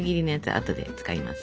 あとで使います。